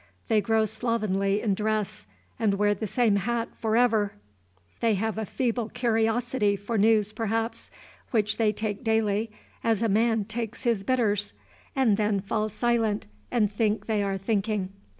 They grow slovenly in dress, and wear the same hat forever. They have a feeble curiosity for news perhaps, which they take daily as a man takes his bitters, and then fall silent and think they are thinking.